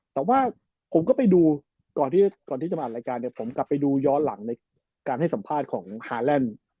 แต่ว่าผมก็ไปดูก่อนที่จะมาอ่านรายการเนี่ยผมกลับไปดูย้อนหลังในการให้สัมภาษณ์ของฮาแลนด์